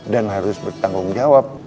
dan harus bertanggung jawab